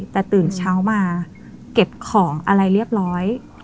แต่ตื่นเช้ามาเก็บของอะไรเรียบร้อย